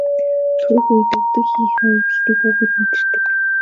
Төрөх үед өвдөх эхийнхээ өвдөлтийг хүүхэд мэдэрдэг.